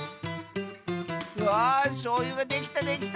わあしょうゆができたできた！